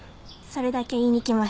それだけ言いに来ました。